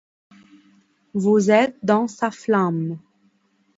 Vous êtes dans sa flamme.